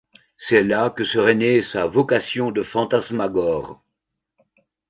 C’est là que serait née sa vocation de fantasmagore.